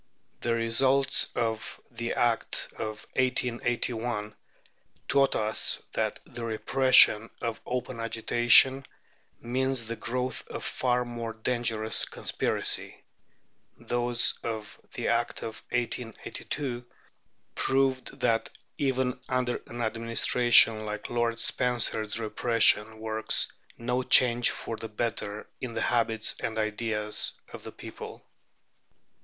The results of the Act of 1881 taught us that the repression of open agitation means the growth of far more dangerous conspiracy; those of the Act of 1882 proved that even under an administration like Lord Spencer's repression works no change for the better in the habits and ideas of the people.